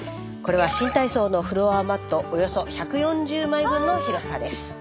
これは新体操のフロアマットおよそ１４０枚分の広さです。